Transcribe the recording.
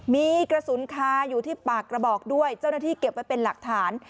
มีกระสุนคาอยู่ที่ปากกระบอกด้วยเจ้าหน้าที่เก็บไว้เป็นหลักฐาน